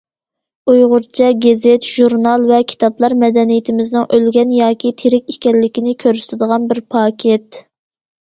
ئۇيغۇرچە گېزىت، ژۇرنال ۋە كىتابلار مەدەنىيىتىمىزنىڭ ئۆلگەن ياكى تىرىك ئىكەنلىكىنى كۆرسىتىدىغان بىر پاكىت.